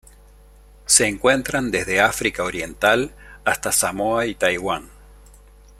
Se encuentran desde África Oriental hasta Samoa y Taiwán.